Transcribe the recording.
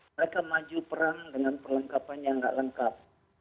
mereka maju perang dengan perlengkapan yang tidak lengkap